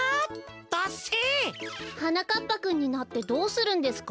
ダッセえ！はなかっぱくんになってどうするんですか？